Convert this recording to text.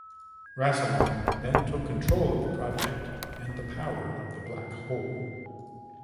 Rassilon then took control of the project, and the power of the black hole.